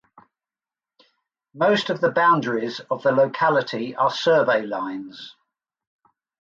Most of the boundaries of the locality are survey lines.